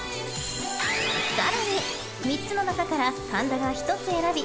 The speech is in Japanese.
更に、３つの中から神田が１つ選び